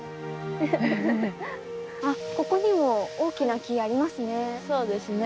あここにも大きな木ありますね。